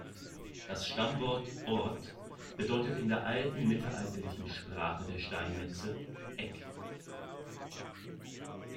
Das Stammwort „Ort“ bedeutet in der alten mittelalterlichen Sprache der Steinmetze „Eck“.